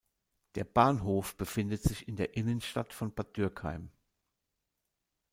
Der Bahnhof befindet sich in der Innenstadt von Bad Dürkheim.